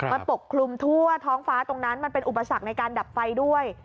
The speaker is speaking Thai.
มันปกคลุมทั่วท้องฟ้าตรงนั้นมันเป็นอุปสรรคในการดับไฟด้วย